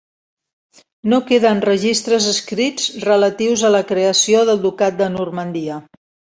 No queden registres escrits relatius a la creació del ducat de Normandia.